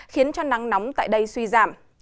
khiến cho nắng nóng tại đây suy giảm